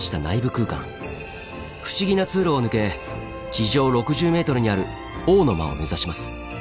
不思議な通路を抜け地上６０ｍにある「王の間」を目指します。